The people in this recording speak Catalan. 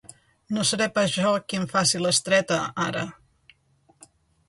No seré pas jo qui em faci l'estreta, ara.